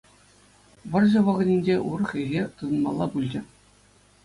Вӑрҫӑ вӑхӑтӗнче урӑх ӗҫе тытӑнмалла пулчӗ.